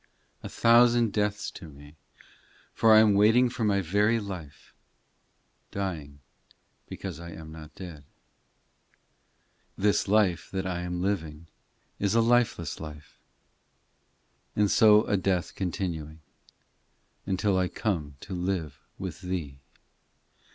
A thousand deaths to me ; For I am waiting for my very life, Dying because I am not dead. ii This life that I am living Is a lifeless life. And so a death continuing, Until I come to live with Thee.